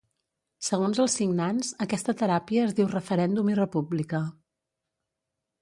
Segons els signants, aquesta teràpia es diu referèndum i república.